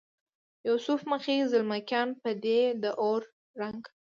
یوسف مخې زلمکیان به دې د اور رنګ،